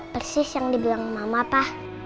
persis yang dibilang mama tah